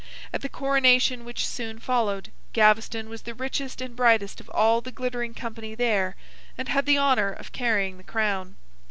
At the coronation which soon followed, Gaveston was the richest and brightest of all the glittering company there, and had the honour of carrying the crown.